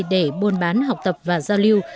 để buôn bán học tập và giao lưu